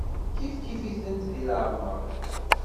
Kifkif-itent di leɛmeṛ.